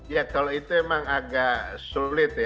ya kalau itu memang agak sulit ya